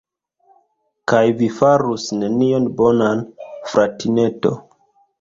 Kaj vi farus nenion bonan, fratineto.